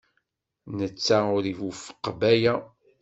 Netta ur iwufeq Baya.